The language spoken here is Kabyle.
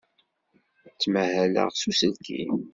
Ttmahaleɣ s uselkim.